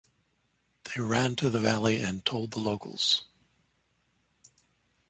They ran to the valley and told the locals.